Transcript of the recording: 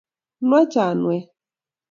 nwech anwet